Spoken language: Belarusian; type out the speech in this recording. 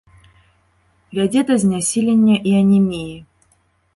Вядзе да знясілення і анеміі.